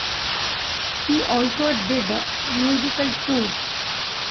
He also did musical tours.